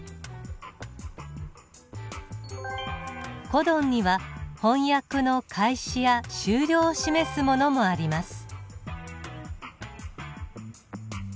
コドンには翻訳の開始や終了を示すものもあります。